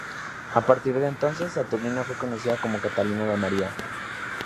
A partir de entonces, Saturnina fue conocida como Catalina de María.